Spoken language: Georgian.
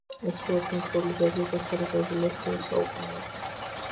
ეს ხუროთმოძღვრული ძეგლი დათარიღებულია შუა საუკუნეებით.